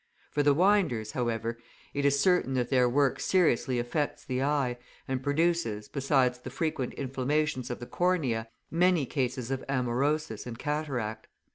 For the winders, however, it is certain that their work seriously affects the eye, and produces, besides the frequent inflammations of the cornea, many cases of amaurosis and cataract.